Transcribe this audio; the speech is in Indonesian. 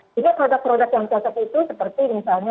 jadi produk produk yang cocok itu seperti misalnya